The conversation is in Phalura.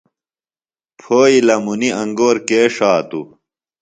پھوئی لمُنی انگور کے ݜاتوۡ؟